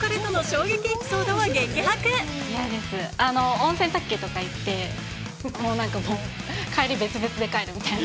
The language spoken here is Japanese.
温泉卓球とか行ってもう何かもう帰り別々で帰るみたいな。